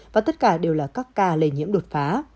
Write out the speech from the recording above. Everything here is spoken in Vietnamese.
và tất cả đều là các ca lây nhiễm đột phá